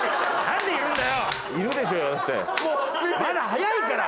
まだ早いから！